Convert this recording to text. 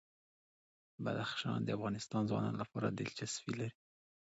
بدخشان د افغان ځوانانو لپاره دلچسپي لري.